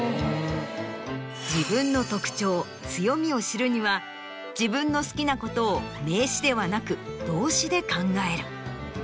自分の特徴強みを知るには自分の好きなことを名詞ではなく動詞で考える。